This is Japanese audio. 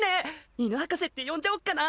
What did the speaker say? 犬博士って呼んじゃおっかな。